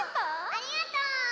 ありがとう！